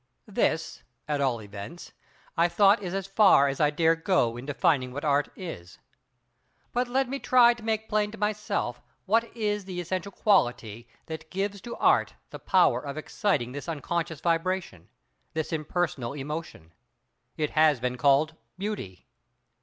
This, at all events—I thought is as far as I dare go in defining what Art is. But let me try to make plain to myself what is the essential quality that gives to Art the power of exciting this unconscious vibration, this impersonal emotion. It has been called Beauty!